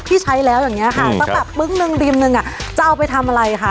ที่ใช้แล้วอย่างเงี้ยค่ะต้องกับปึ้งหนึ่งริมหนึ่งอ่ะจะเอาไปทำอะไรคะ